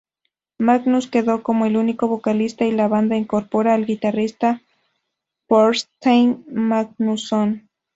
Magnús quedó como el único vocalista y la banda incorpora al guitarrista Þorsteinn Magnússon.